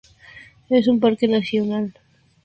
Es un parque nacional.